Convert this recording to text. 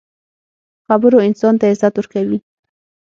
خبرو انسان ته عزت ورکوي.